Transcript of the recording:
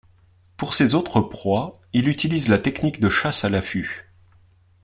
Pour ses autres proies, il utilise la technique de chasse à l'affût.